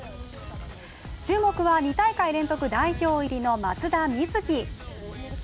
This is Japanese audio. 注目は２大会連続代表入りの松田瑞生。